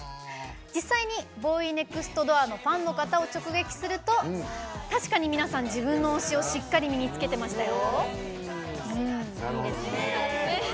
実際にＢＯＹＮＥＸＴＤＯＯＲのファンの方を直撃すると確かに皆さん自分の推しをしっかり身に着けていましたよ。